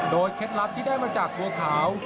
โดยเคล็ดลับที่ได้มาจากบัวขาว